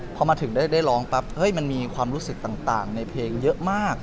พอมาถึงได้ร้องปั๊บมันมีความรู้สึกต่างในเพลงเยอะมาก